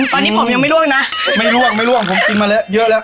ตอนนี้ผมยังไม่ล่วงนะไม่ล่วงไม่ล่วงผมกินมาแล้วเยอะแล้ว